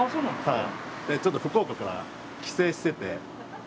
はい。